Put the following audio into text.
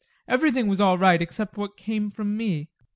Everything was all right except what came from me.